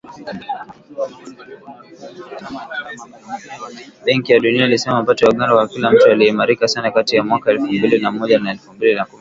Benki ya Dunia ilisema mapato ya Uganda kwa kila mtu yaliimarika sana kati ya mwaka elfu mbili na moja na elfu mbili na kumi na moja